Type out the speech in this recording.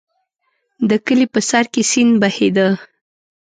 د کلي په سر کې سیند بهېده.